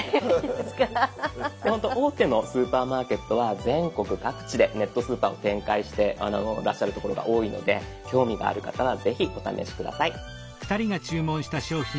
ほんと大手のスーパーマーケットは全国各地でネットスーパーを展開してらっしゃるところが多いので興味がある方はぜひお試し下さい。